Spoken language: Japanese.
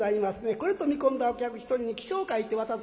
これと見込んだお客一人に起請を書いて渡す。